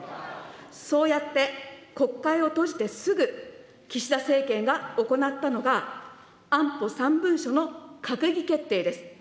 そうやって国会を閉じてすぐ、岸田政権が行ったのが、安保３文書の閣議決定です。